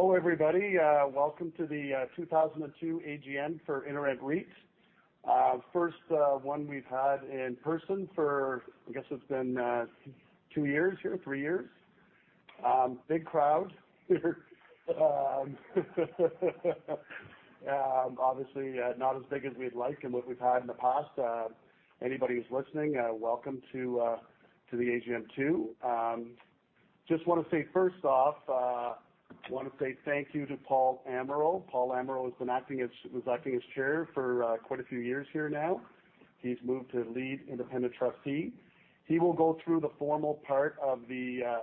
Hello, everybody. Welcome to the 2002 AGM for InterRent REIT. First one we've had in person for, I guess it's been two years here, three years. Big crowd. Obviously, not as big as we'd like and what we've had in the past. Anybody who's listening, welcome to the AGM too. Just wanna say first off, thank you to Paul Amirault. Paul Amirault was acting as Chair for quite a few years here now. He's moved to Lead Independent Trustee. He will go through the formal part of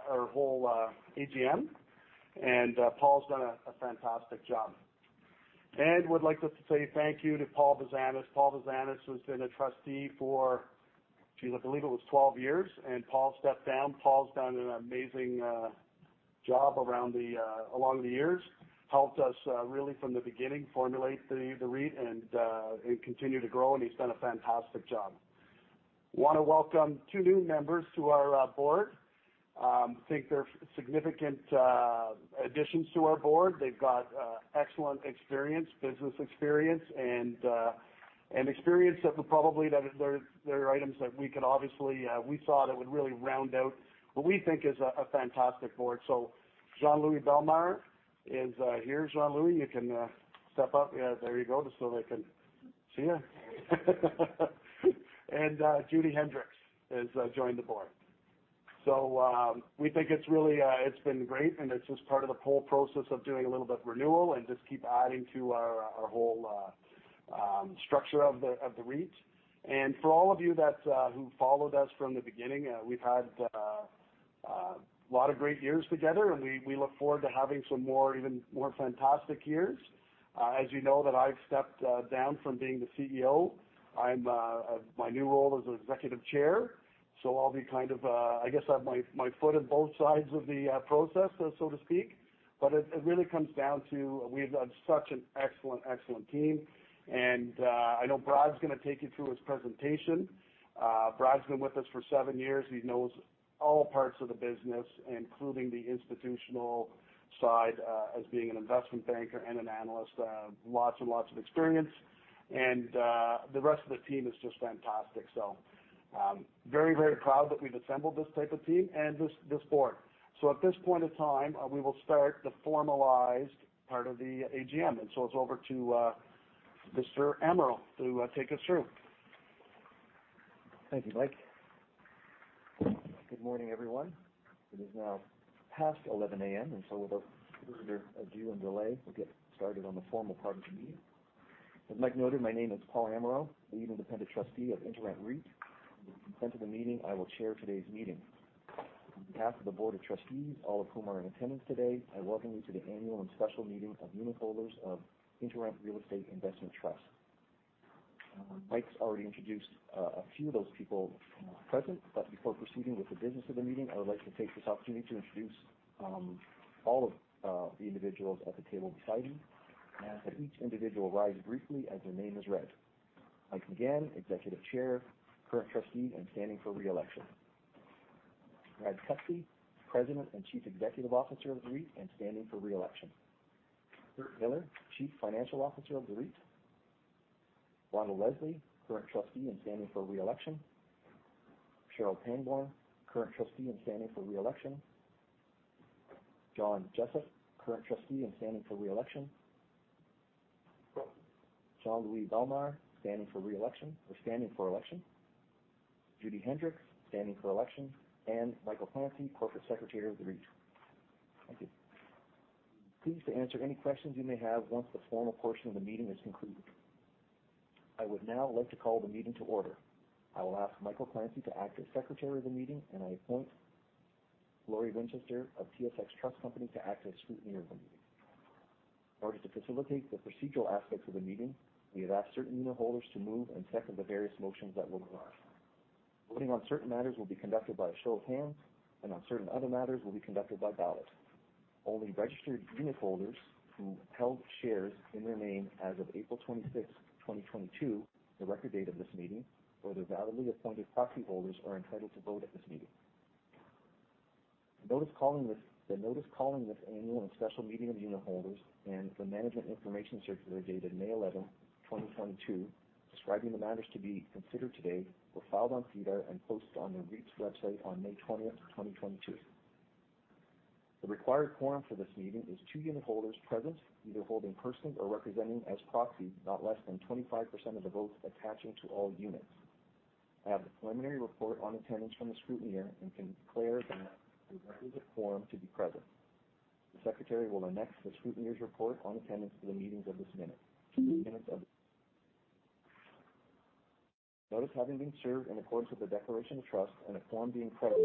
our whole AGM, and Paul's done a fantastic job. Would like us to say thank you to Paul Bazanis. Paul Bazanis, who has been a trustee for, I believe it was 12 years, and Paul stepped down. Paul's done an amazing job along the years. Helped us really from the beginning formulate the REIT and it continue to grow, and he's done a fantastic job. Wanna welcome two new members to our board. Think they're significant additions to our board. They've got excellent experience, business experience and experience that are items that we could obviously we saw that would really round out what we think is a fantastic board. Jean-Louis Bellemare is here. Jean-Louis, you can step up. Yeah, there you go, just so they can see you. Judy Hendriks has joined the board. We think it's really, it's been great, and it's just part of the whole process of doing a little bit of renewal and just keep adding to our whole structure of the REIT. For all of you who followed us from the beginning, we've had a lot of great years together, and we look forward to having some more, even more fantastic years. As you know that I've stepped down from being the CEO. I'm my new role as Executive Chair, so I'll be kind of, I guess I have my foot in both sides of the process, so to speak. It really comes down to we've got such an excellent team, and I know Brad's gonna take you through his presentation. Brad's been with us for seven years. He knows all parts of the business, including the institutional side, as being an investment banker and an analyst. Lots and lots of experience, and the rest of the team is just fantastic. Very, very proud that we've assembled this type of team and this board. At this point in time, we will start the formalized part of the AGM. It's over to Mr. Amirault to take us through. Thank you, Mike. Good morning, everyone. It is now past 11 A.M., without further ado and delay, we'll get started on the formal part of the meeting. As Mike noted, my name is Paul Amirault, the Independent Trustee of InterRent REIT. With the consent of the meeting, I will chair today's meeting. On behalf of the Board of Trustees, all of whom are in attendance today, I welcome you to the annual and special meeting of unitholders of InterRent Real Estate Investment Trust. Mike's already introduced a few of those people present, but before proceeding with the business of the meeting, I would like to take this opportunity to introduce all of the individuals at the table beside me. May I ask that each individual rise briefly as their name is read. Mike McGahan, Executive Chair, Current Trustee, and standing for re-election. Brad Cutsey, President and Chief Executive Officer of the REIT and standing for re-election. Curt Millar, Chief Financial Officer of the REIT. Rona Leslie, Current Trustee and standing for re-election. Cheryl Pangborn, Current Trustee and standing for re-election. John Jussup, Current Trustee and standing for re-election. Jean-Louis Bellemare, standing for re-election or standing for election. Judy Hendriks, standing for election, and Michael Clancy, Corporate Secretary of the REIT. Thank you. Pleased to answer any questions you may have once the formal portion of the meeting is concluded. I would now like to call the meeting to order. I will ask Michael Clancy to act as Secretary of the meeting, and I appoint Lori Winchester of TSX Trust Company to act as Scrutineer of the meeting. In order to facilitate the procedural aspects of the meeting, we have asked certain unitholders to move and second the various motions that will arise. Voting on certain matters will be conducted by a show of hands and on certain other matters will be conducted by ballot. Only registered unitholders who held shares in their name as of April 26, 2022, the record date of this meeting, or their validly appointed proxy holders are entitled to vote at this meeting. The notice calling this annual and special meeting of unitholders and the Management Information Circular dated May 11, 2022, describing the matters to be considered today, were filed on SEDAR and posted on the REIT's website on May 20, 2022. The required quorum for this meeting is two unitholders present, either in person or representing as proxy, not less than 25% of the votes attaching to all units. I have the preliminary report on attendance from the scrutineer and can declare that there is a quorum to be present. The Secretary will annex the scrutineer's report on attendance to the meetings of this minute. Notice having been served in accordance with the declaration of trust and a quorum being present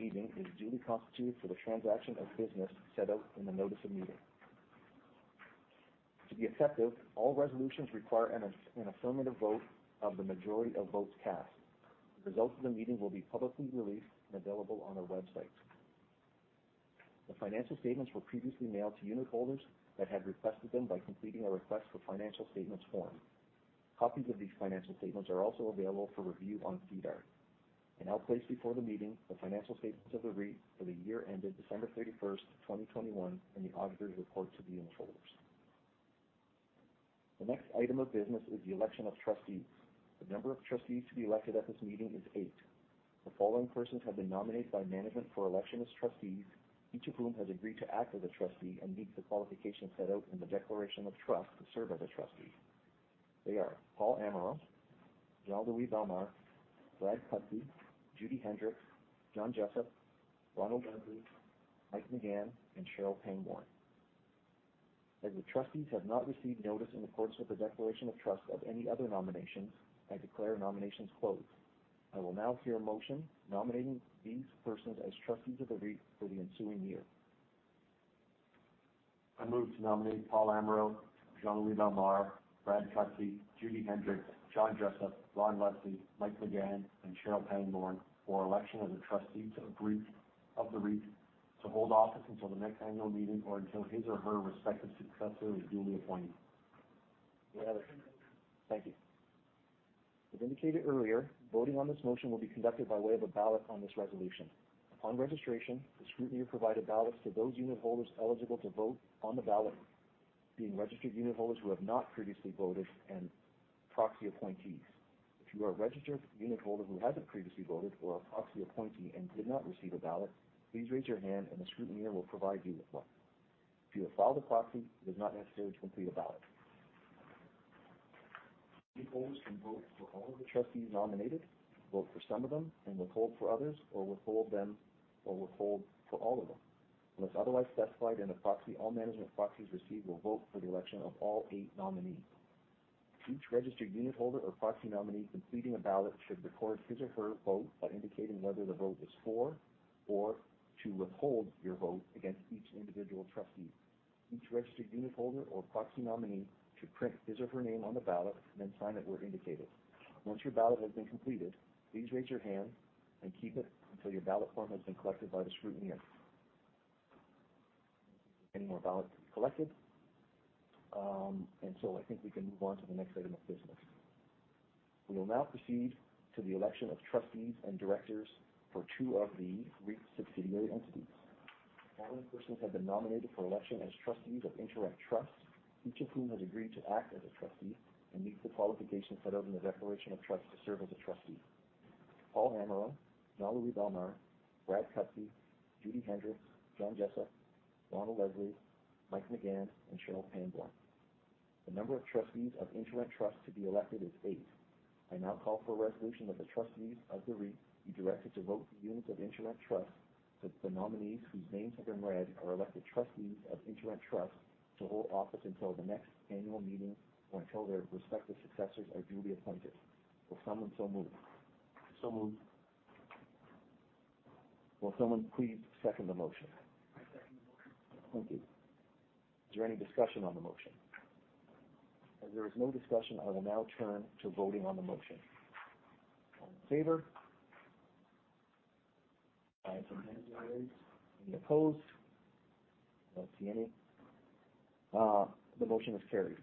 this evening is duly constituted for the transaction of business set out in the notice of meeting. To be effective, all resolutions require an affirmative vote of the majority of votes cast. The results of the meeting will be publicly released and available on our website. The financial statements were previously mailed to unitholders that had requested them by completing a request for financial statements form. Copies of these financial statements are also available for review on SEDAR. I'll place before the meeting the financial statements of the REIT for the year ended December 31, 2021, and the auditor's report to the unitholders. The next item of business is the election of trustees. The number of trustees to be elected at this meeting is eight. The following persons have been nominated by management for election as trustees, each of whom has agreed to act as a trustee and meet the qualifications set out in the declaration of trust to serve as a trustee. They are Paul Amirault, Jean-Louis Bellemare, Brad Cutsey, Judy Hendriks, John Jussup, Ronald Leslie, Mike McGahan, and Cheryl Pangborn. As the trustees have not received notice in accordance with the declaration of trust of any other nominations, I declare nominations closed. I will now hear a motion nominating these persons as trustees of the REIT for the ensuing year. I move to nominate Paul Amirault, Jean-Louis Bellemare, Brad Cutsey, Judy Hendriks, John Jussup, Ron Leslie, Mike McGahan, and Cheryl Pangborn for election as a trustee to a REIT, of the REIT to hold office until the next annual meeting or until his or her respective successor is duly appointed. Thank you. As indicated earlier, voting on this motion will be conducted by way of a ballot on this resolution. Upon registration, the scrutineer provided ballots to those unitholders eligible to vote on the ballot being registered unitholders who have not previously voted and proxy appointees. If you are a registered unitholder who hasn't previously voted or a proxy appointee and did not receive a ballot, please raise your hand and the scrutineer will provide you with one. If you have filed a proxy, it is not necessary to complete a ballot. Unitholders can vote for all of the trustees nominated, vote for some of them, and withhold for others, or withhold them, or withhold for all of them. Unless otherwise specified in a proxy, all management proxies received will vote for the election of all eight nominees. Each registered unitholder or proxy nominee completing a ballot should record his or her vote by indicating whether the vote is for or to withhold your vote against each individual trustee. Each registered unitholder or proxy nominee should print his or her name on the ballot and then sign it where indicated. Once your ballot has been completed, please raise your hand and keep it until your ballot form has been collected by the scrutineer. Any more ballots to be collected? I think we can move on to the next item of business. We will now proceed to the election of trustees and directors for two of the REIT subsidiary entities. The following persons have been nominated for election as trustees of InterRent Trust, each of whom has agreed to act as a trustee and meet the qualifications set out in the Declaration of Trust to serve as a trustee. Paul Amirault, Jean-Louis Bellemare, Brad Cutsey, Judy Hendriks, John Jussup, Ronald Leslie, Mike McGahan, and Cheryl Pangborn. The number of trustees of InterRent Trust to be elected is eight. I now call for a resolution that the trustees of the REIT be directed to vote the units of InterRent Trust that the nominees whose names have been read are elected trustees of InterRent Trust to hold office until the next annual meeting or until their respective successors are duly appointed. Will someone so move? I so moved. Will someone please second the motion? I second the motion. Thank you. Is there any discussion on the motion? As there is no discussion, I will now turn to voting on the motion. All in favor? I have some hands raised. Any opposed? I don't see any. The motion is carried.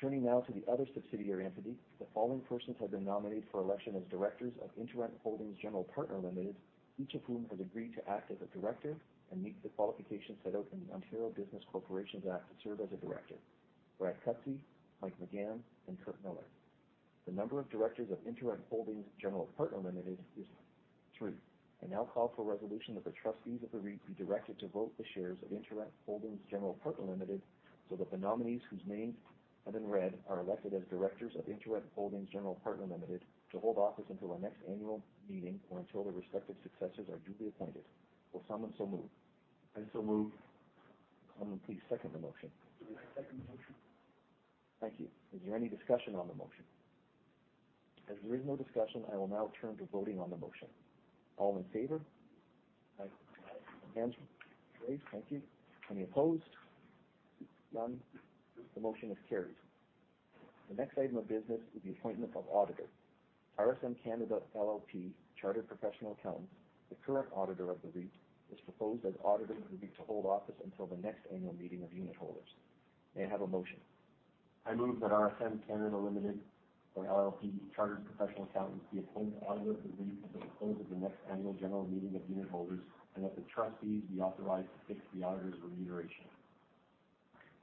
Turning now to the other subsidiary entity, the following persons have been nominated for election as directors of InterRent Holdings General Partner Limited, each of whom has agreed to act as a director and meet the qualifications set out in the Ontario Business Corporations Act to serve as a director. Brad Cutsey, Mike McGahan, and Curt Millar. The number of directors of InterRent Holdings General Partner Limited is three. I now call for a resolution that the trustees of the REIT be directed to vote the shares of InterRent Holdings General Partner Limited, so that the nominees whose names have been read are elected as directors of InterRent Holdings General Partner Limited to hold office until the next annual meeting or until their respective successors are duly appointed. Will someone so move? I so move. Will someone please second the motion? I second the motion. Thank you. Is there any discussion on the motion? As there is no discussion, I will now turn to voting on the motion. All in favor? Hands, raise. Thank you. Any opposed? None. The motion is carried. The next item of business is the appointment of auditor. RSM Canada LLP, chartered professional accountants, the current auditor of the REIT, is proposed as auditor of the REIT to hold office until the next annual meeting of unitholders. May I have a motion? I move that RSM Canada LLP, chartered professional accountants, be appointed auditor of the REIT at the close of the next annual general meeting of unitholders and that the trustees be authorized to fix the auditor's remuneration.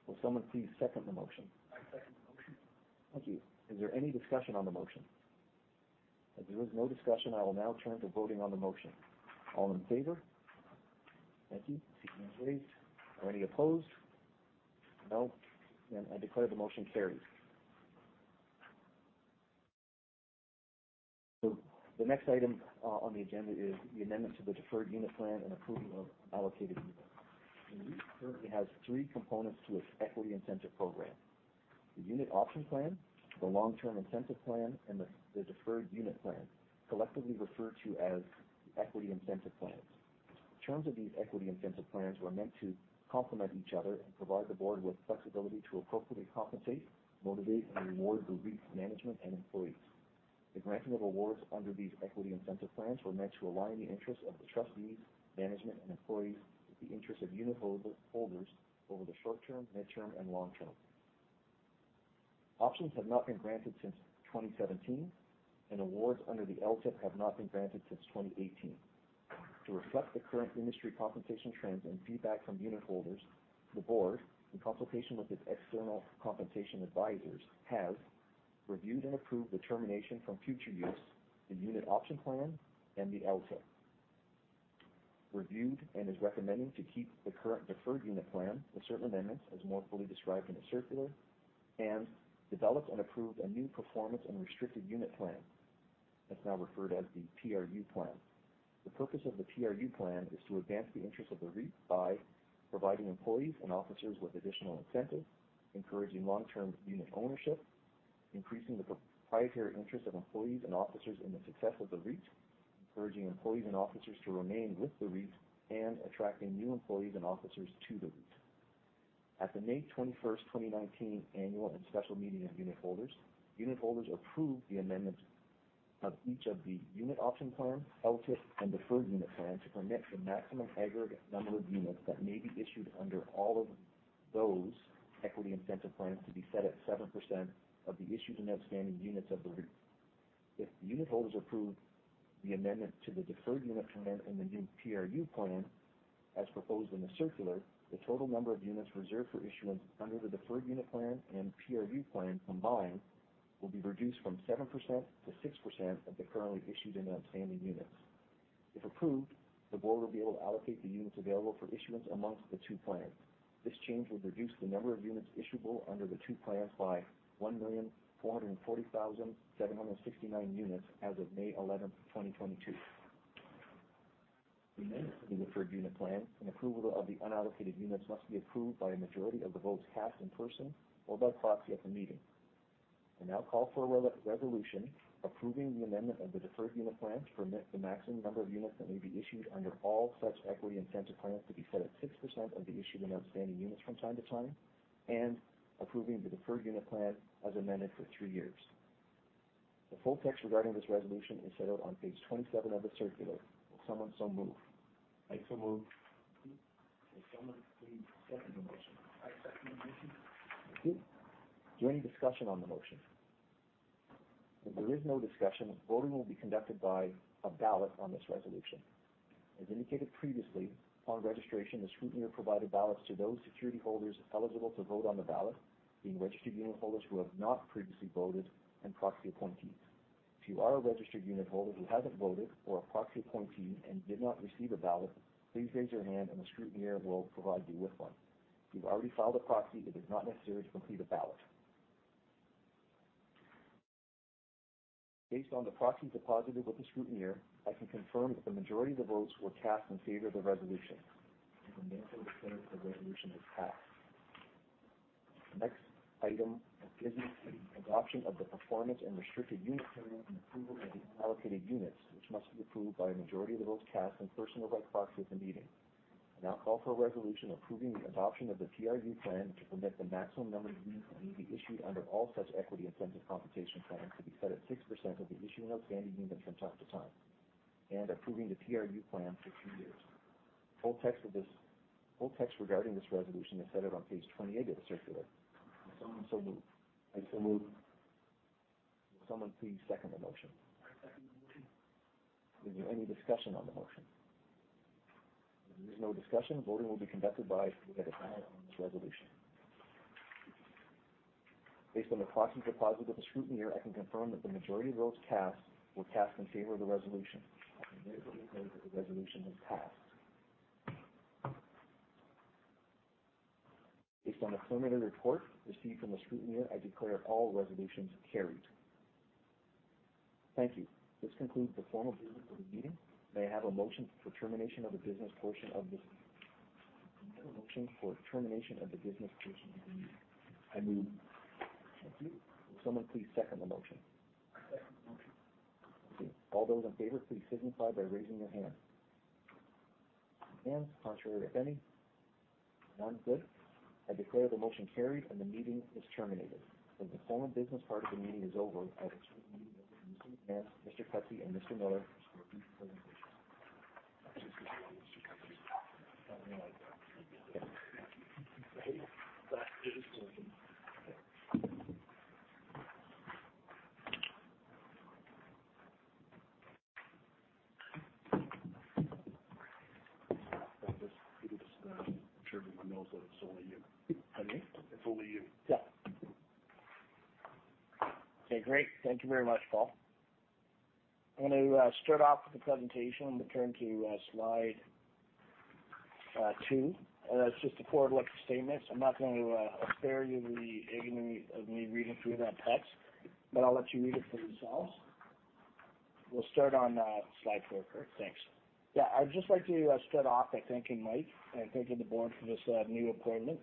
Will someone please second the motion? I second the motion. Thank you. Is there any discussion on the motion? As there is no discussion, I will now turn to voting on the motion. All in favor? Thank you. I see hands raised. Are any opposed? No. I declare the motion carries. The next item on the agenda is the amendment to the deferred unit plan and approval of allocated units. The REIT currently has three components to its equity incentive program. The unit option plan, the long-term incentive plan, and the deferred unit plan, collectively referred to as equity incentive plans. The terms of these equity incentive plans were meant to complement each other and provide the board with flexibility to appropriately compensate, motivate, and reward the REIT's management and employees. The granting of awards under these equity incentive plans were meant to align the interests of the trustees, management, and employees with the interests of unitholders over the short term, midterm, and long term. Options have not been granted since 2017, and awards under the LTIP have not been granted since 2018. To reflect the current industry compensation trends and feedback from unitholders, the board, in consultation with its external compensation advisors, has reviewed and approved the termination from future use, the unit option plan, and the LTIP. Reviewed and is recommending to keep the current deferred unit plan with certain amendments as more fully described in the circular, and developed and approved a new Performance and Restricted Unit Plan. That's now referred to as the PRU plan. The purpose of the PRU plan is to advance the interest of the REIT by providing employees and officers with additional incentives, encouraging long-term unit ownership, increasing the proprietary interest of employees and officers in the success of the REIT, encouraging employees and officers to remain with the REIT, and attracting new employees and officers to the REIT. At the May 21, 2019 annual and special meeting of unitholders approved the amendment of each of the unit option plan, LTIP, and deferred unit plan to permit the maximum aggregate number of units that may be issued under all of those equity incentive plans to be set at 7% of the issued and outstanding units of the REIT. If unitholders approve the amendment to the deferred unit plan and the new PRU plan as proposed in the circular, the total number of units reserved for issuance under the deferred unit plan and PRU plan combined will be reduced from 7% to 6% of the currently issued and outstanding units. If approved, the board will be able to allocate the units available for issuance amongst the two plans. This change would reduce the number of units issuable under the two plans by 1,400,769 units as of May 11, 2022. The amendment to the deferred unit plan and approval of the unallocated units must be approved by a majority of the votes cast in person or by proxy at the meeting. I now call for a re-resolution approving the amendment of the deferred unit plan to permit the maximum number of units that may be issued under all such equity incentive plans to be set at 6% of the issued and outstanding units from time to time, and approving the deferred unit plan as amended for two years. The full text regarding this resolution is set out on page 27 of the circular. Will someone so move? I so move. Thank you. Will someone please second the motion? I second the motion. Thank you. Is there any discussion on the motion? If there is no discussion, voting will be conducted by a ballot on this resolution. As indicated previously, upon registration, the scrutineer provided ballots to those security holders eligible to vote on the ballot, being registered unitholders who have not previously voted and proxy appointees. If you are a registered unitholder who hasn't voted or a proxy appointee and did not receive a ballot, please raise your hand, and the scrutineer will provide you with one. If you've already filed a proxy, it is not necessary to complete a ballot. Based on the proxies deposited with the scrutineer, I can confirm that the majority of the votes were cast in favor of the resolution. I can therefore declare that the resolution is passed. The next item of business is the adoption of the performance and restricted unit plan and approval of the unallocated units, which must be approved by a majority of the votes cast in person or by proxy at the meeting. I now call for a resolution approving the adoption of the PRU plan to permit the maximum number of units to be issued under all such equity incentive compensation plans to be set at 6% of the issued and outstanding units from time to time, and approving the PRU plan for two years. Full text regarding this resolution is set out on page 28 of the circular. Will someone so move? I so move. Will someone please second the motion? I second the motion. Is there any discussion on the motion? If there is no discussion, voting will be conducted by way of a ballot on this resolution. Based on the proxies deposited with the scrutineer, I can confirm that the majority of votes cast were cast in favor of the resolution. I can therefore declare that the resolution is passed. Based on the preliminary report received from the scrutineer, I declare all resolutions carried. Thank you. This concludes the formal business of the meeting. May I have a motion for termination of the business portion of this meeting? I move. Thank you. Will someone please second the motion? I second the motion. Thank you. All those in favor, please signify by raising your hand. Any against, contrary, if any? None. Good. I declare the motion carried, and the meeting is terminated. Since the formal business part of the meeting is over, I would ask Mr. Cutsey, and Mr. Millar for a brief presentation. Actually, it's just me and Mr. Cutsey. Oh. I don't know why I said that. Okay. Thank you. Hey, it is two of them. Okay. I'll just read this. I'm sure everyone knows that it's only you. Pardon me? It's only you. Yeah. Okay, great. Thank you very much, Paul. I'm gonna start off with the presentation. I'm gonna turn to slide two. That's just the forward-looking statements. I'm not going to spare you the agony of me reading through that text, but I'll let you read it for yourselves. We'll start on slide four, Curt. Thanks. Yeah. I'd just like to start off by thanking Mike and thanking the board for this new appointment.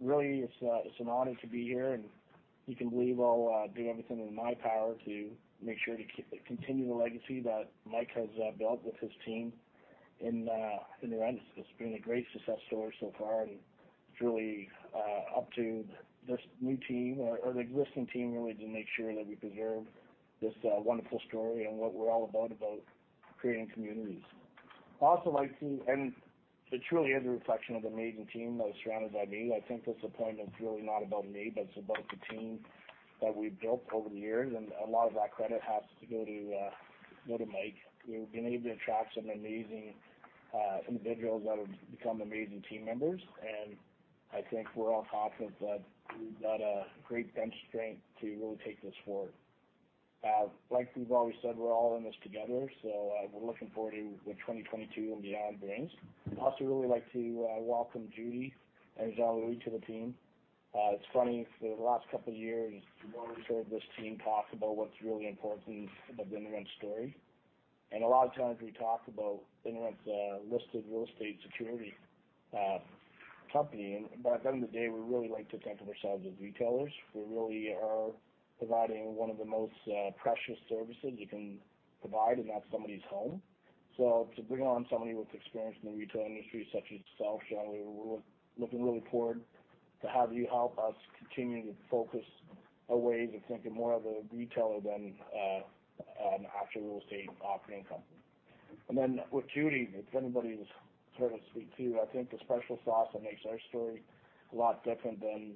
Really, it's an honor to be here, and you can believe I'll do everything in my power to make sure to continue the legacy that Mike has built with his team. In InterRent, it's been a great success story so far, and it's really up to this new team or the existing team really to make sure that we preserve this wonderful story and what we're all about, creating communities. Also, it truly is a reflection of the amazing team that was surrounded by me. I think this appointment is really not about me, but it's about the team that we've built over the years, and a lot of that credit has to go to Mike, who's been able to attract some amazing individuals that have become amazing team members. I think we're all confident that we've got a great bench strength to really take this forward. Like we've always said, we're all in this together, so we're looking forward to what 2022 and beyond brings. I'd also really like to welcome Judy and Jean-Louis to the team. It's funny, for the last couple of years, we've always heard this team talk about what's really important about the InterRent story. A lot of times we talk about InterRent's listed real estate security company. At the end of the day, we really like to think of ourselves as retailers. We really are providing one of the most precious services you can provide, and that's somebody's home. To bring on somebody with experience in the retail industry such as yourself, Jean-Louis, we're looking really forward to have you help us continue to focus our ways of thinking more of a retailer than actually real estate operating company. With Judy, if anybody has heard her speak too, I think the special sauce that makes our story a lot different than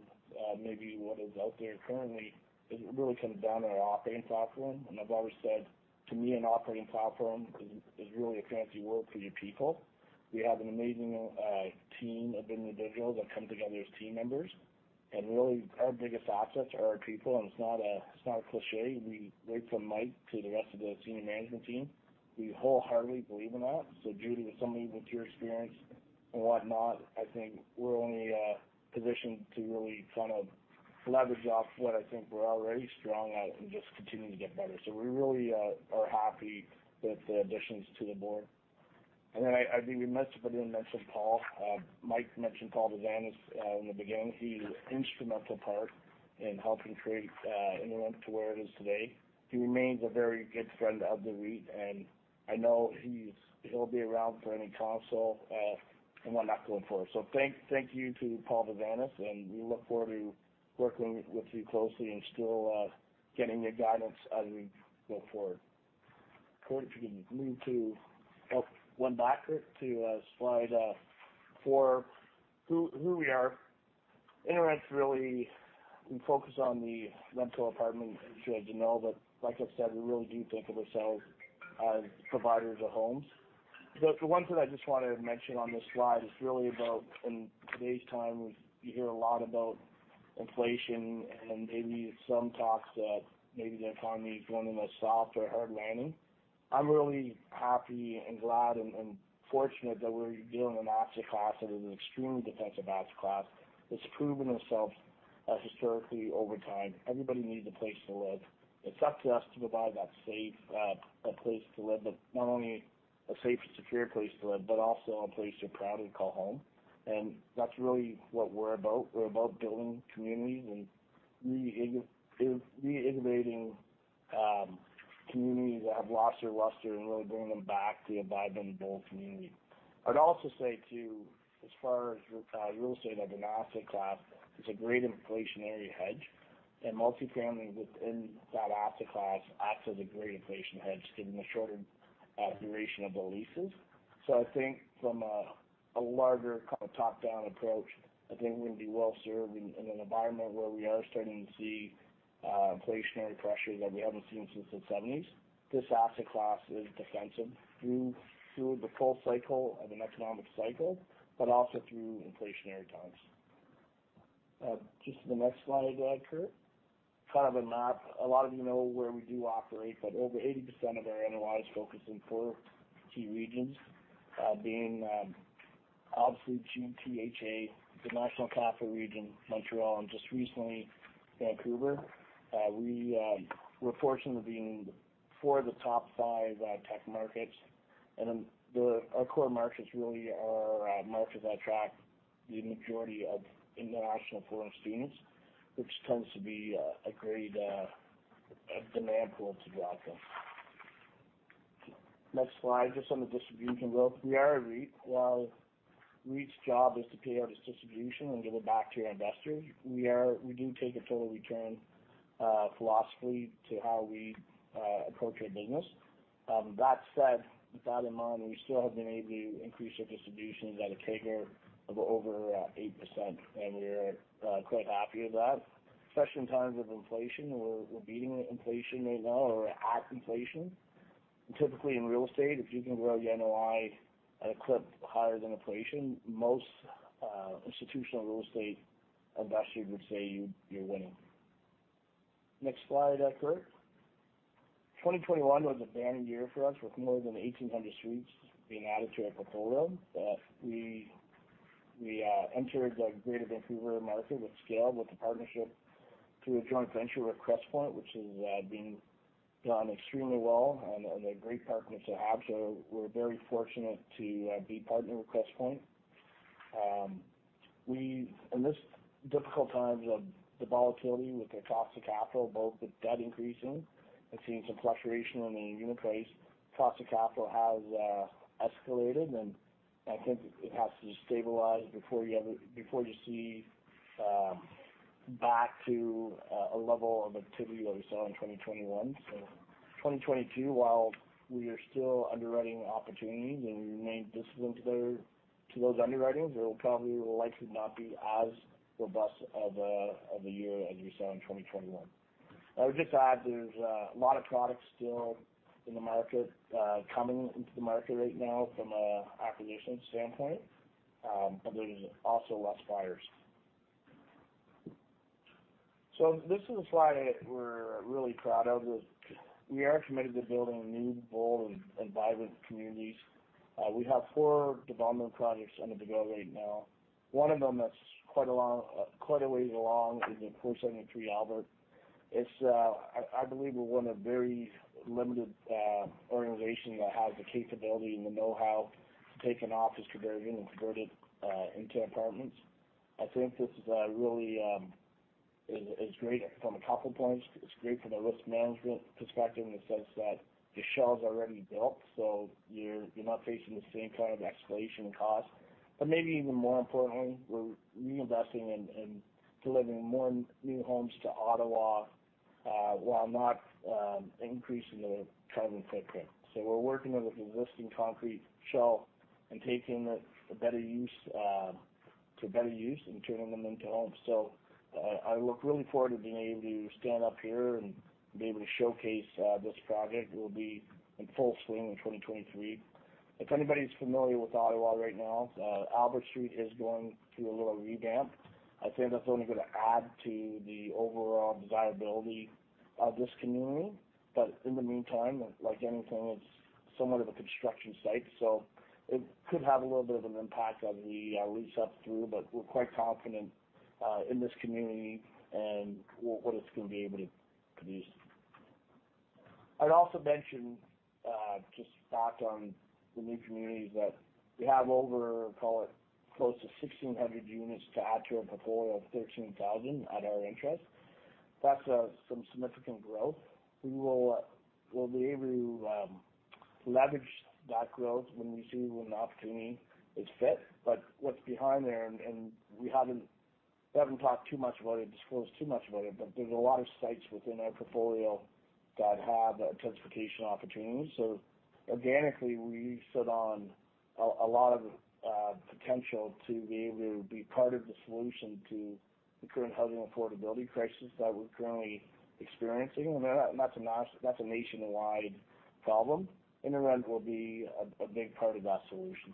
maybe what is out there currently, it really comes down to our operating platform. I've always said, to me, an operating platform is really a fancy word for your people. We have an amazing team of individuals that come together as team members. Really, our biggest assets are our people. It's not a cliché. We right from Mike to the rest of the senior management team, we wholeheartedly believe in that. Judy, with somebody with your experience and whatnot, I think we're only positioned to really kind of leverage off what I think we're already strong at and just continuing to get better. We really are happy with the additions to the board. I think we missed, if I didn't mention Paul. Mike mentioned Paul Bazanis in the beginning. He's instrumental part in helping create InterRent to where it is today. He remains a very good friend of the REIT, and I know he'll be around for any counsel and whatnot going forward. Thank you to Paul Bazanis, and we look forward to working with you closely and still getting your guidance as we go forward. Corey, if you can move to. Oh, one back, Curt, to slide four. Who we are. InterRent's really, we focus on the rental apartment industry as you know, but like I said, we really do think of ourselves as providers of homes. The one thing I just wanted to mention on this slide is really about in today's time, you hear a lot about inflation and maybe some talks that maybe the economy is going in a soft or hard landing. I'm really happy and glad and fortunate that we're dealing in an asset class that is an extremely defensive asset class. It's proven itself as historically over time, everybody needs a place to live. It's up to us to provide that safe place to live, but not only a safe and secure place to live, but also a place you're proud to call home. That's really what we're about. We're about building communities and re-innovating communities that have lost their luster and really bring them back to a vibrant and bold community. I'd also say, too, as far as real estate as an asset class, it's a great inflationary hedge. Multifamily within that asset class acts as a great inflation hedge given the shorter duration of the leases. I think from a larger kind of top-down approach, I think we'll be well-served in an environment where we are starting to see inflationary pressure that we haven't seen since the '70s. This asset class is defensive through the full cycle of an economic cycle, but also through inflationary times. Just to the next slide, go ahead, Curt. Kind of a map. A lot of you know where we do operate, but over 80% of our NOI is focused in four key regions, obviously GTA, the National Capital Region, Montreal, and just recently, Vancouver. We're fortunate of being four of the top five tech markets. Our core markets really are markets that attract the majority of international foreign students, which tends to be a great demand pool to draw from. Next slide, just on the distribution growth. We are a REIT. While REIT's job is to pay out its distribution and give it back to your investors, we do take a total return philosophy to how we approach our business. That said, with that in mind, we still have been able to increase our distributions at a take rate of over 8%, and we're quite happy with that. Especially in times of inflation, we're beating inflation right now or at inflation. Typically, in real estate, if you can grow your NOI at a clip higher than inflation, most institutional real estate investors would say you're winning. Next slide, Curt. 2021 was a banner year for us, with more than 1,800 suites being added to our portfolio. We entered the Greater Vancouver market with scale, with a partnership through a joint venture with Crestpoint, which has been going extremely well and a great partner to have. We're very fortunate to be partnered with Crestpoint. In this difficult times of the volatility with the cost of capital, both the debt increasing and seeing some fluctuation in the unit price, cost of capital has escalated, and I think it has to stabilize before you see back to a level of activity that we saw in 2021. 2022, while we are still underwriting opportunities, and we remain disciplined to those underwritings, it'll probably will likely not be as robust of a year as you saw in 2021. I would just add, there's a lot of product still in the market coming into the market right now from an acquisition standpoint, but there's also less buyers. This is a slide we're really proud of. We are committed to building new, bold and vibrant communities. We have four development projects underway right now. One of them that's quite a ways along is at 473 Albert. It's. I believe we're one of the very limited organizations that has the capability and the know-how to take an office conversion and convert it into apartments. I think this is really great from a couple of points. It's great from a risk management perspective in the sense that the shell is already built, so you're not facing the same kind of escalation cost. Maybe even more importantly, we're reinvesting and delivering more new homes to Ottawa while not increasing the carbon footprint. We're working with an existing concrete shell and taking it to better use and turning them into homes. I look really forward to being able to stand up here and be able to showcase this project. We'll be in full swing in 2023. If anybody's familiar with Ottawa right now, Albert Street is going through a little revamp. I think that's only gonna add to the overall desirability of this community. In the meantime, like anything, it's somewhat of a construction site, so it could have a little bit of an impact on the lease-up through. We're quite confident in this community and what it's gonna be able to produce. I'd also mention just a fact on the new communities that we have over, call it, close to 1,600 units to add to our portfolio of 13,000 at our interest. That's some significant growth. We'll be able to leverage that growth when an opportunity is fit. But what's behind there, we haven't talked too much about it, disclosed too much about it, but there's a lot of sites within our portfolio that have intensification opportunities. Organically, we sit on a lot of potential to be able to be part of the solution to the current housing affordability crisis that we're currently experiencing. That's a nationwide problem. InterRent will be a big part of that solution.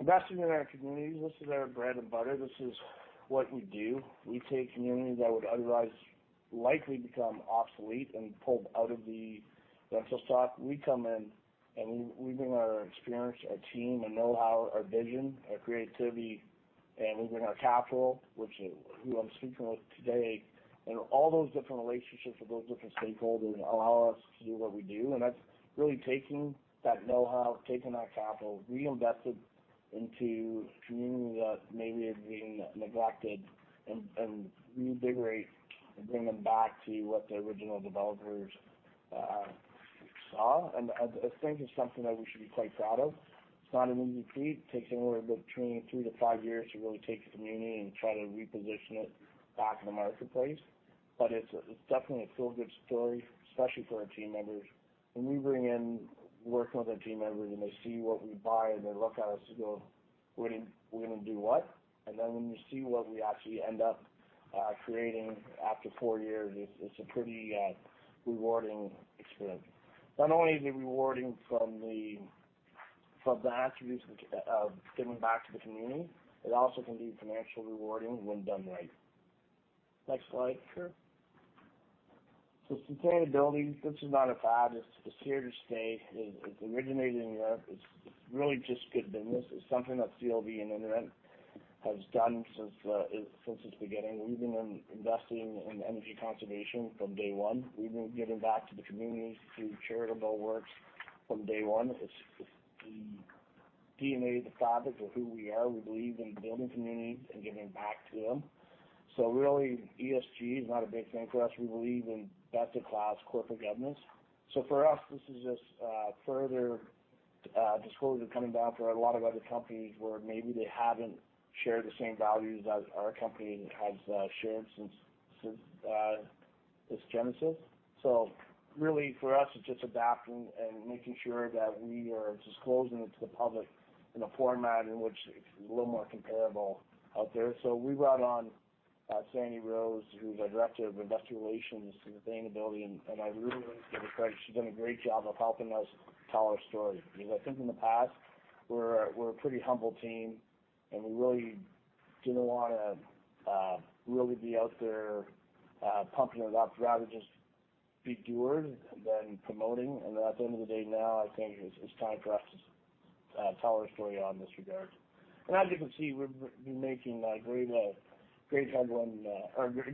Investing in our communities, this is our bread and butter. This is what we do. We take communities that would otherwise likely become obsolete and pulled out of the rental stock. We come in, and we bring our experience, our team, our know-how, our vision, our creativity, and we bring our capital, which, who I'm speaking with today. All those different relationships with those different stakeholders allow us to do what we do. That's really taking that know-how, taking that capital, reinvest it into communities that maybe have been neglected and reinvigorate and bring them back to what the original developers saw. I think it's something that we should be quite proud of. It's not an easy feat. It takes anywhere between three-five years to really take a community and try to reposition it back in the marketplace. It's definitely a feel-good story, especially for our team members. Working with our team members and they see what we buy, and they look at us and go, "We're gonna do what?" When they see what we actually end up creating after four years, it's a pretty rewarding experience. Not only is it rewarding from the attributes of giving back to the community, it also can be financially rewarding when done right. Next slide, sure. Sustainability, this is not a fad. It's here to stay. It originated in Europe. It's really just good business. It's something that CLV and InterRent has done since its beginning. We've been investing in energy conservation from day one. We've been giving back to the communities through charitable works from day one. It's the DNA of the fabric of who we are. We believe in building communities and giving back to them. Really, ESG is not a big thing for us. We believe in best-in-class corporate governance. For us, this is just further disclosure coming down for a lot of other companies where maybe they haven't shared the same values as our company has shared since its genesis. Really for us, it's just adapting and making sure that we are disclosing it to the public in a format in which it's a little more comparable out there. We brought on Sandy Rose, who's our Director of Investor Relations and Sustainability, and I really give her credit. She's done a great job of helping us tell our story because I think in the past, we're a pretty humble team, and we really didn't wanna really be out there pumping it up. Rather just be doers than promoting. At the end of the day now, I think it's time for us to tell our story in this regard. As you can see, we've been making great headway or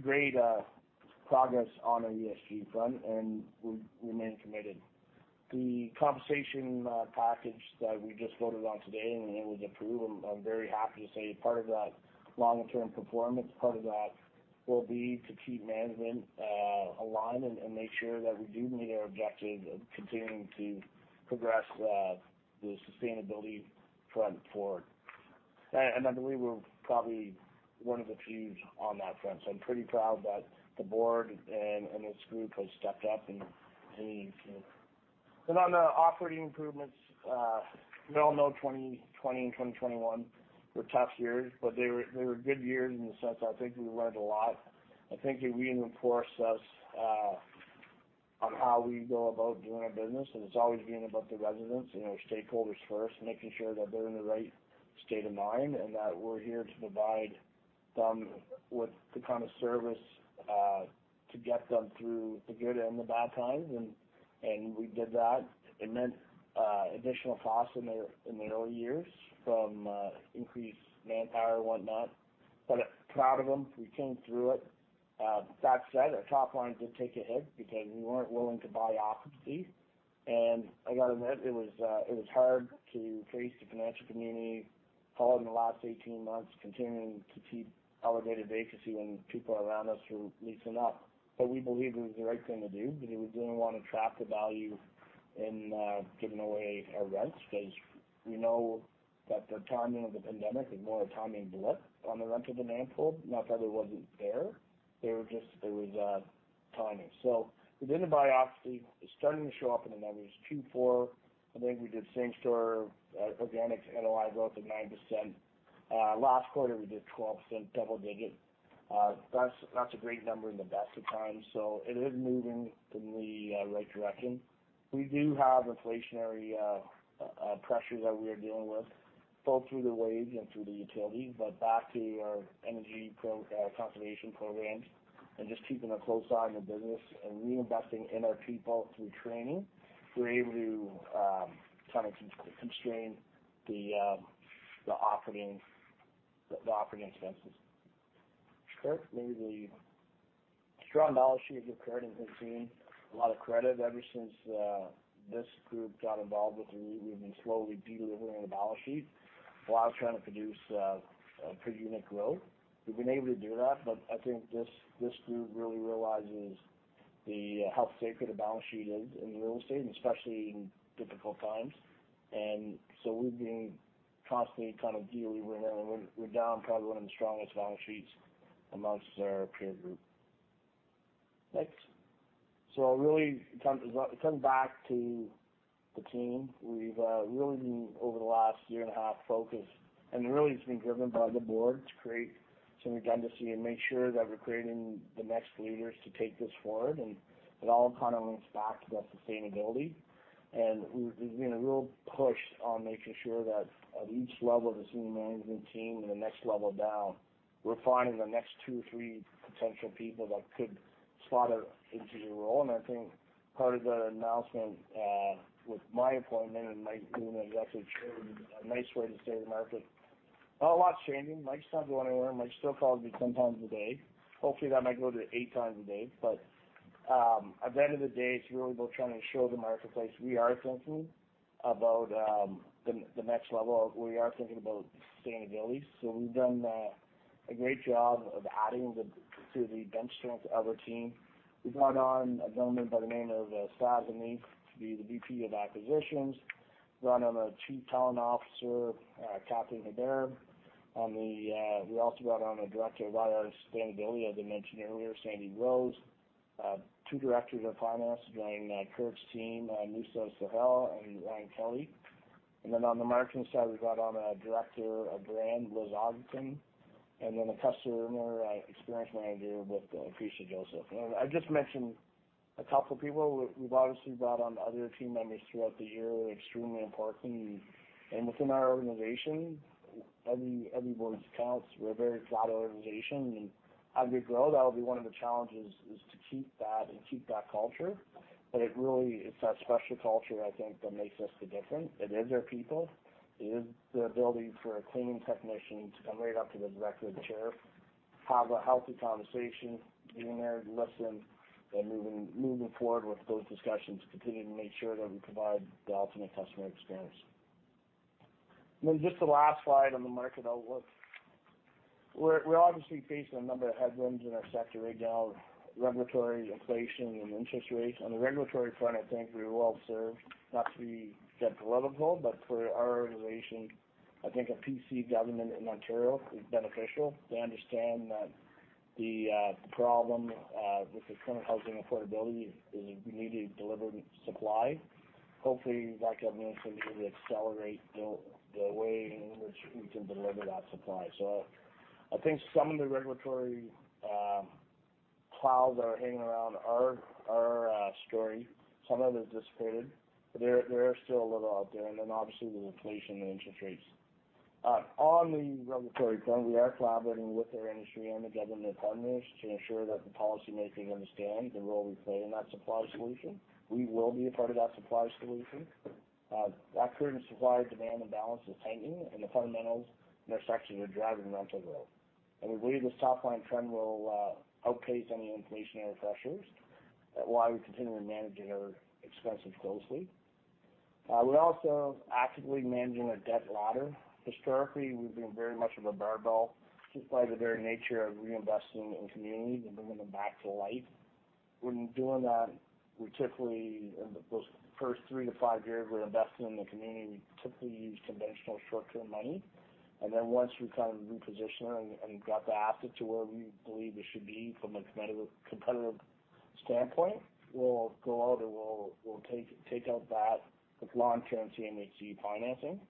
great progress on our ESG front, and we remain committed. The compensation package that we just voted on today, and it was approved. I'm very happy to say part of that long-term performance, part of that will be to keep management aligned and make sure that we do meet our objective of continuing to progress the sustainability front forward. I believe we're probably one of the few on that front. I'm pretty proud that the board and this group has stepped up and paying attention. On the operating improvements, we all know 2020 and 2021 were tough years. They were good years in the sense I think we learned a lot. I think it reinforced us on how we go about doing our business, and it's always been about the residents, you know, stakeholders first, making sure that they're in the right state of mind, and that we're here to provide them with the kind of service to get them through the good and the bad times. We did that. It meant additional costs in the early years from increased manpower and whatnot. Proud of them. We came through it. That said, our top line did take a hit because we weren't willing to buy occupancy. I gotta admit, it was hard to face the financial community following the last 18 months, continuing to keep elevated vacancy when people around us were leasing up. We believe it was the right thing to do because we didn't wanna trap the value in giving away our rents 'cause we know that the timing of the pandemic was more a timing blip on the rent over demand pool, not that it wasn't there. It was just timing. We did the biopsy. It's starting to show up in the numbers. 2.4, I think we did same store organic NOI growth of 9%. Last quarter, we did 12% double-digit. That's a great number in the best of times. It is moving in the right direction. We do have inflationary pressures that we are dealing with, both through the wages and through the utilities. Back to our energy conservation programs, and just keeping a close eye on the business and reinvesting in our people through training, we're able to kind of constrain the operating expenses. Sure. Maybe the strong balance sheet here, Curt and his team. A lot of credit ever since this group got involved with the REIT, we've been slowly de-levering the balance sheet while trying to produce pretty unique growth. We've been able to do that, but I think this group really realizes how sacred a balance sheet is in real estate and especially in difficult times. We've been constantly kind of delevering, and we're down probably one of the strongest balance sheets amongst our peer group. Next. Really come back to the team. We've really been over the last year and a half focused, and really it's been driven by the board to create some redundancy and make sure that we're creating the next leaders to take this forward. It all kind of links back to that sustainability. There's been a real push on making sure that at each level of the senior management team and the next level down, we're finding the next two, three potential people that could slot into the role. I think part of the announcement with my appointment and Mike McGahan is actually a nice way to say to the market, not a lot's changing. Mike's not going anywhere. Mike still calls me 10 times a day. Hopefully, that might go to 8 times a day. At the end of the day, it's really about trying to show the marketplace we are thinking about the next level. We are thinking about sustainability. We've done a great job of adding to the bench strength of our team. We brought on a gentleman by the name of Sav Meef to be the VP of Acquisitions, brought on a Chief Talent Officer, Catherine Haber. We also brought on a Director of IR Sustainability, as I mentioned earlier, Sandy Rose. Two Directors of Finance joining Curt's team, Musa Sahela and Ryan Kelly. On the marketing side, we brought on a Director of Brand, Liz Ogden, and then a Customer Experience Manager with Felicia Joseph. I just mentioned a couple people. We've obviously brought on other team members throughout the year, extremely important. Within our organization, everybody counts. We're a very flat organization. As we grow, that'll be one of the challenges, is to keep that culture. It really, it's that special culture I think that makes us different. It is our people. It is the ability for a cleaning technician to come right up to the director or the chair, have a healthy conversation, being heard, listened to, and moving forward with those discussions, continuing to make sure that we provide the ultimate customer experience. Then just the last slide on the market outlook. We're obviously facing a number of headwinds in our sector right now, regulatory, inflation, and interest rates. On the regulatory front, I think we're well served. Not to get political, but for our organization, I think a PC government in Ontario is beneficial. They understand that the problem with the current housing affordability is we need to deliver supply. Hopefully, that government is able to accelerate the way in which we can deliver that supply. I think some of the regulatory clouds that are hanging around are stormy. Some of it has dissipated. There is still a little out there, and then obviously the inflation and interest rates. On the regulatory front, we are collaborating with our industry and the government partners to ensure that the policymaking understands the role we play in that supply solution. We will be a part of that supply solution. That current supply demand and balance is tightening, and the fundamentals in our sector are driving rental growth. We believe this top line trend will outpace any inflationary pressures while we continue managing our expenses closely. We're also actively managing our debt ladder. Historically, we've been very much of a barbell, just by the very nature of reinvesting in communities and bringing them back to life. When doing that, we typically those first three-five years we're investing in the community, we typically use conventional short-term money. Then once we kind of reposition and got the asset to where we believe it should be from a competitive standpoint, we'll go out and we'll take out that with long-term CMHC financing.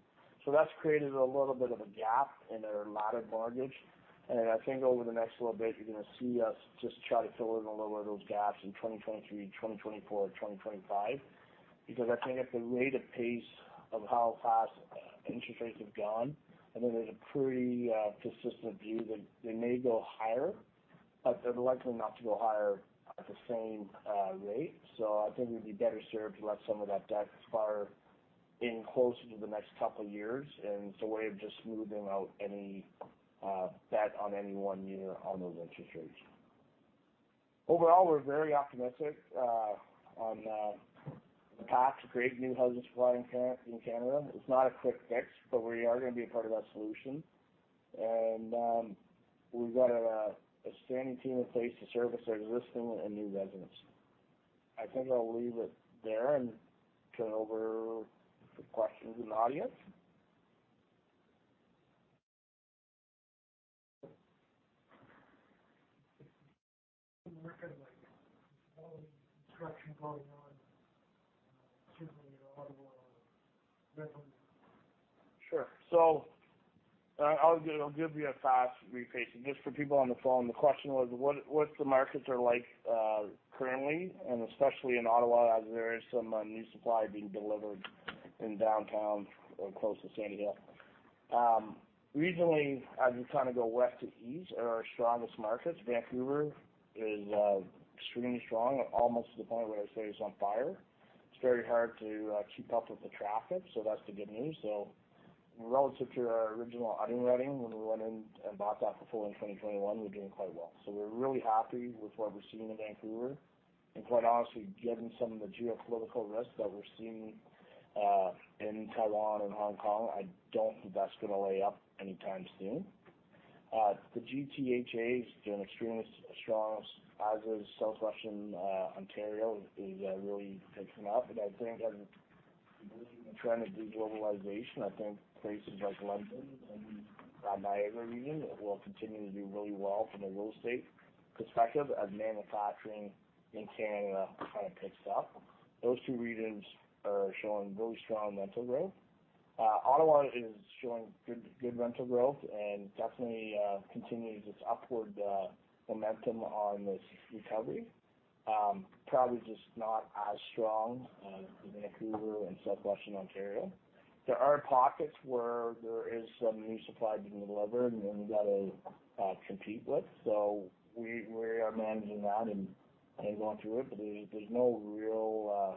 That's created a little bit of a gap in our laddered mortgage. I think over the next little bit, you're gonna see us just try to fill in a little of those gaps in 2023, 2024, 2025. Because I think at the rate of pace of how fast interest rates have gone, I think there's a pretty persistent view that they may go higher, but they're likely not to go higher at the same rate. So I think we'd be better served to let some of that debt expire in closer to the next couple of years. It's a way of just smoothing out any bet on any one year on those interest rates. Overall, we're very optimistic on the path to creating new housing supply in Canada. It's not a quick fix, but we are gonna be a part of that solution. We've got a standing team in place to service our existing and new residents. I think I'll leave it there and turn over to questions in the audience. Sure. I'll give you a fast recap. Just for people on the phone, the question was, what the markets are like, currently, and especially in Ottawa, as there is some new supply being delivered in downtown or close to Sandy Hill. Regionally, as you kind of go west to east, are our strongest markets. Vancouver is extremely strong, almost to the point where I say it's on fire. It's very hard to keep up with the traffic, so that's the good news. Relative to our original underwriting when we went in and bought that portfolio in 2021, we're doing quite well. We're really happy with what we're seeing in Vancouver. Quite honestly, given some of the geopolitical risks that we're seeing in Taiwan and Hong Kong, I don't think that's gonna let up anytime soon. The GTHA is doing extremely strong, as is Southwestern Ontario, really picking up. I think as we believe in the trend of de-globalization, I think places like London and Niagara region will continue to do really well from a real estate perspective as manufacturing in Canada kind of picks up. Those two regions are showing really strong rental growth. Ottawa is showing good rental growth and definitely continues its upward momentum on this recovery. Probably just not as strong as Vancouver and Southwestern Ontario. There are pockets where there is some new supply being delivered and we've got to compete with. We are managing that and going through it. There's no real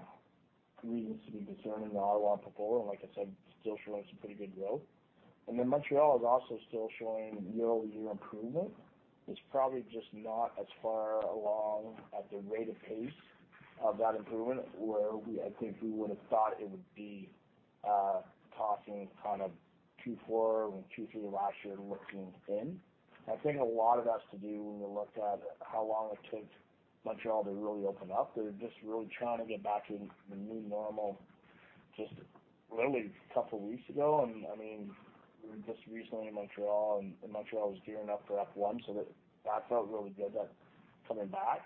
reasons to be concerned in the Ottawa portfolio. Like I said, still showing some pretty good growth. Montreal is also still showing year-over-year improvement. It's probably just not as far along at the rate of pace of that improvement, where I think we would have thought it would be, crossing kind of 2.4% when 2.3% last year looked to move in. I think a lot of that's to do with when we looked at how long it took Montreal to really open up. They're just really trying to get back to the new normal just literally a couple of weeks ago. I mean, we were just recently in Montreal, and Montreal was gearing up for F1, so that felt really good that coming back.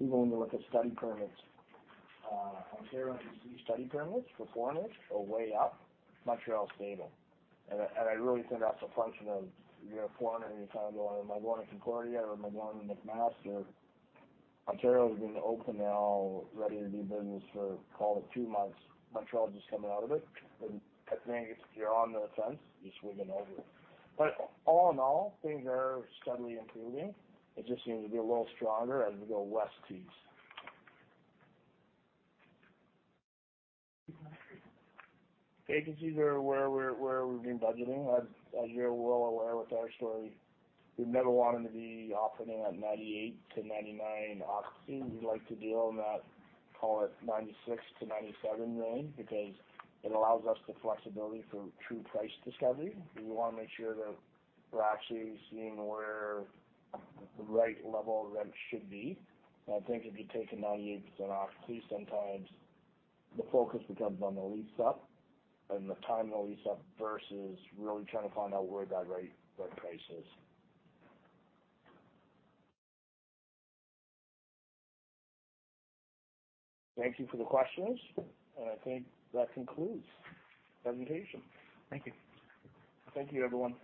Even when you look at study permits, Ontario study permits for foreigners are way up. Montreal is stable. I really think that's a function of you're a foreigner and you're trying to go, "Am I going to Concordia or am I going to McMaster?" Ontario has been open now, ready to do business for call it two months. Montreal is just coming out of it. I think if you're on the fence, you're swinging over. All in all, things are steadily improving. It just seems to be a little stronger as we go west to east. Agencies are where we've been budgeting. As you're well aware with our story, we've never wanted to be operating at 98%-99% occupancy. We like to be on that, call it 96%-97% range because it allows us the flexibility for true price discovery. We wanna make sure that we're actually seeing where the right level of rent should be. I think if you take a 98% occupancy, sometimes the focus becomes on the lease up and the time to lease up versus really trying to find out where that right rent price is. Thank you for the questions, and I think that concludes the presentation. Thank you. Thank you, everyone.